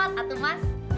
asmatnya gak jelas